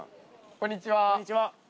こんにちは。